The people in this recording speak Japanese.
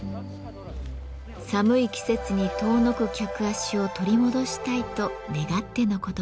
寒い季節に遠のく客足を取り戻したいと願ってのことでした。